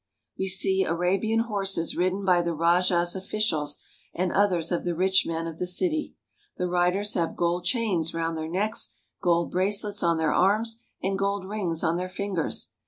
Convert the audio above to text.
We see Arabian horses ridden by the rajah's officials and others of the rich men of the city. The riders have gold chains round their necks, gold bracelets on their arms, and gold rings on their fingers.